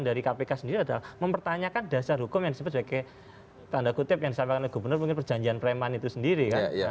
dari kpk sendiri adalah mempertanyakan dasar hukum yang disebut sebagai tanda kutip yang disampaikan oleh gubernur mungkin perjanjian preman itu sendiri kan